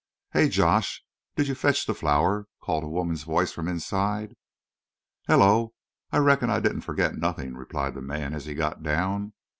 "Hey, Josh, did you fetch the flour?" called a woman's voice from inside. "Hullo I Reckon I didn't forgit nothin'," replied the man, as he got down.